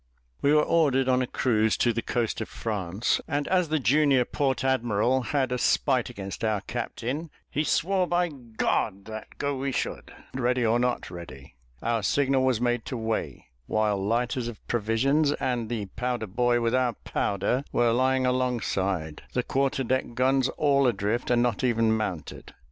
We were ordered on a cruise to the coast of France; and as the junior port admiral had a spite against our captain, he swore by that go we should, ready or not ready. Our signal was made to weigh, while lighters of provisions, and the powder boy with our powder, were lying alongside the quarter deck guns all adrift, and not even mounted.